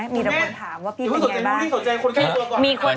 มีแต่คนถามว่าปิ๊ยเป็นอย่างไรบ้าง